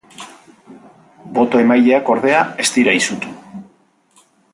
Boto emaileak, ordea, ez dira izutu.